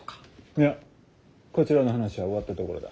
いやこちらの話は終わったところだ。